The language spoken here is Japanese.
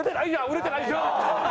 売れてないでしょー！